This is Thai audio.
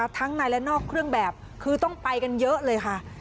ทั้งในและนอกเครื่องแบบคือต้องไปกันเยอะเลยค่ะ